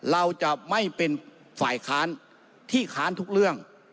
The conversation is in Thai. เราจะไม่เป็นฝ่ายค้านที่ค้านทุกเรื่อง